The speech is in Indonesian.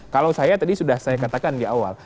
kalau saya tadi sudah saya katakan di awal